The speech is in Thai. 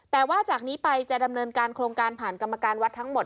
แต่ว่าจากนี้ไปจะดำเนินการโครงการผ่านกรรมการวัดทั้งหมด